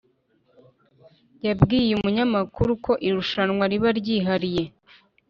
yabwiye umunyamakuru ko irushwanwa riba ryihariye